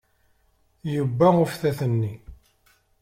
Yewwa uftat-nni.